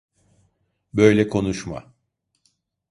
Böyle konuşma.